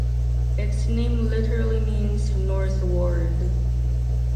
Its name literally means "North Ward".